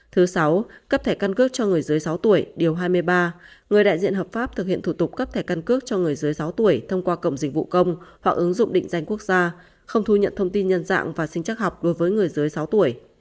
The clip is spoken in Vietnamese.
thứ sáu cấp thẻ căn cước cho người dưới sáu tuổi điều hai mươi ba người đại diện hợp pháp thực hiện thủ tục cấp thẻ căn cước cho người dưới sáu tuổi thông qua cổng dịch vụ công hoặc ứng dụng định danh quốc gia không thu nhận thông tin nhân dạng và sinh chắc học đối với người dưới sáu tuổi